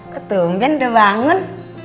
ketumbian udah bangun